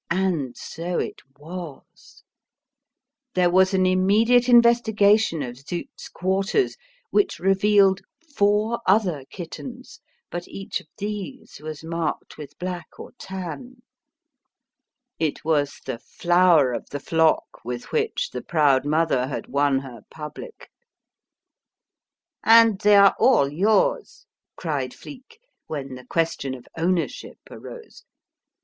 And so it was. There was an immediate investigation of Zut's quarters, which revealed four other kittens, but each of these was marked with black or tan. It was the flower of the flock with which the proud mother had won her public. "And they are all yours!" cried Flique, when the question of ownership arose.